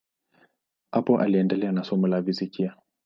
Hapo aliendelea na somo la fizikia.